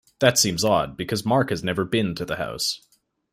That seems odd because Mark has never been to the house.